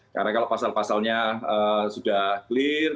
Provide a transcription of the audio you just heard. karena kalau pasal pasalnya sudah clear